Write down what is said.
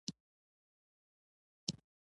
باید د مخالفت پر ځای یې پر ودې زور وشي.